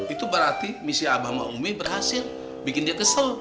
itu berarti misi obama umi berhasil bikin dia kesel